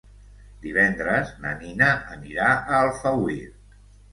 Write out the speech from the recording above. Divendres na Nina anirà a Alfauir.